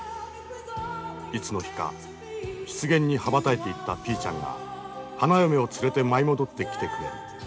いつの日か湿原に羽ばたいていったピーちゃんが花嫁を連れて舞い戻ってきてくれる。